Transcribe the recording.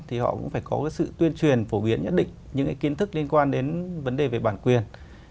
thì họ cũng phải có cái sự tuyên truyền phổ biến nhất định những cái kiến thức liên quan đến vấn đề về bản quyền